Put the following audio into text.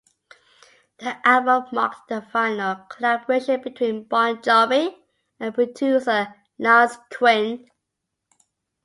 The album marked the final collaboration between Bon Jovi and producer Lance Quinn.